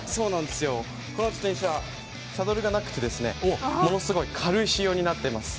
この自転車サドルがなくてものすごい軽い仕様になってます。